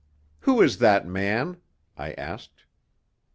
"Who is that man?" I asked.